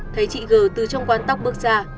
thấy chị gờ từ trong quán tóc bước ra